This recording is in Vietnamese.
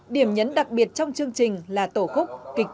điểm nhấn đặc biệt trong chương trình là tổng thống của hồ chí minh